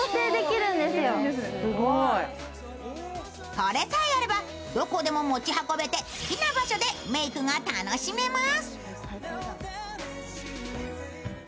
これさえあればどこでも持ち運べて好きな場所でメークが楽しめます。